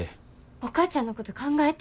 お母ちゃんのこと考えて。